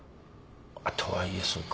あっとはいえそうか。